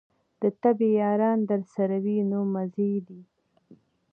د طبې یاران درسره وي نو مزې دي.